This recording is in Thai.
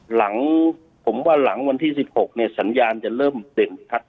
หลังผมว่าหลังวันที่๑๖เนี่ยสัญญาณจะเริ่มเด่นครับ